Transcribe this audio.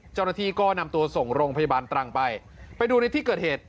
เจ้าหน้าที่ก็นำตัวส่งโรงพยาบาลตรังไปไปดูในที่เกิดเหตุ